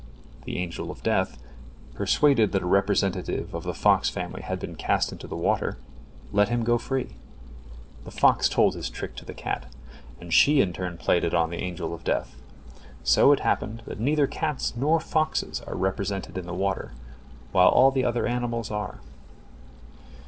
The Angel of Death, persuaded that a representative of the fox family had been cast into the water, let him go free. The fox told his trick to the cat, and she in turn played it on the Angel of Death. So it happened that neither cats nor foxes are represented in the water, while all other animals are.